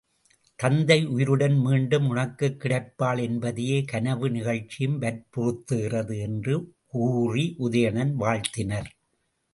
தத்தை உயிருடன் மீண்டும் உனக்குப் கிடைப்பாள் என்பதையே கனவு நிகழ்ச்சியும் வற்புறுத்துகிறது என்று கூறி உதயணனை வாழ்த்தினர்.